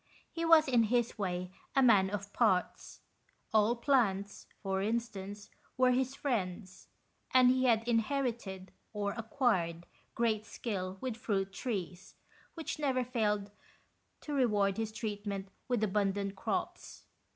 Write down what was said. He was, in his way, a man of parts. All plants, for instance, were his friends, and he had inherited, or acquired, great skill with fruit trees, which never failed to reward his treatment with abundant crops.